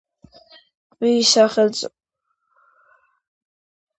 ტბის სახელწოდება სანსკრიტზე სიტყვასიტყვით ნიშნავს „დემონის ტბას“.